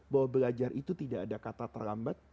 bahwa belajar itu tidak ada kata terlambat